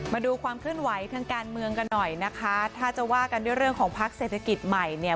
มาดูความเคลื่อนไหวทางการเมืองกันหน่อยนะคะถ้าจะว่ากันด้วยเรื่องของพักเศรษฐกิจใหม่เนี่ย